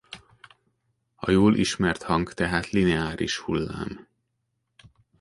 A jól ismert hang tehát lineáris hullám.